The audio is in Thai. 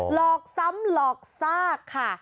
หลอกซ้ำหลอกซากค่ะ